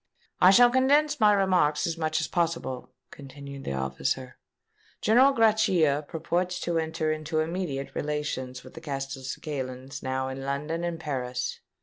"I shall condense my remarks as much as possible," continued the officer. "General Grachia purports to enter into immediate relations with the Castelcicalans now in London and Paris.